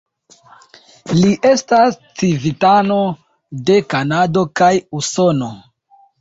Li estas civitano de Kanado kaj Usono.